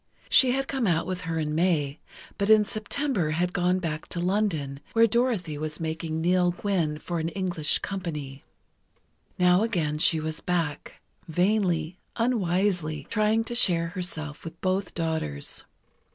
She had come out with her in May, but in September had gone back to London, where Dorothy was making "Nell Gwynn" for an English company. Now again she was back, vainly, unwisely trying to share herself with both daughters.